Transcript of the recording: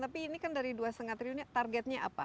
tapi ini kan dari dua lima triliunnya targetnya apa